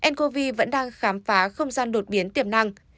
ncov vẫn đang khám phá không gian đột biến tiềm năng